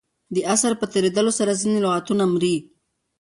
د عصر په تېرېدلو سره ځیني لغتونه مري.